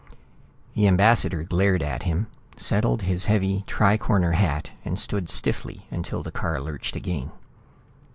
The ambassador glared at him, settled his heavy tri corner hat and stood stiffly until the car lurched again.